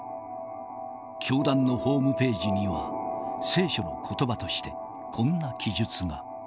教団のホームページには、聖書のことばとして、こんな記述が。